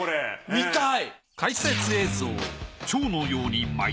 見たい！